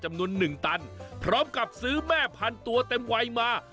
จำนวนหนึ่งตันพร้อมกับซื้อแม่พันตัวเต็มไวมา